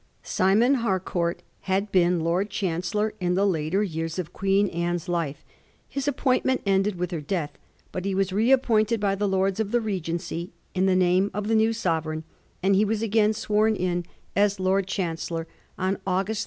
Simon Harcourt had been Lord Chancellor in the later years of Queen Anne's life. His appointment ended with her death ; but he was reappointed by the Lords of the Regency in the name of the new sovereign, and he was again sworn in as Lord Digiti zed by Google m4 SmON HARCOURT.